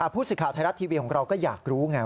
ผู้สื่อข่าวไทยรัฐทีวีของเราก็อยากรู้ไง